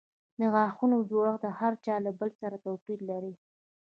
د غاښونو جوړښت د هر چا له بل سره توپیر لري.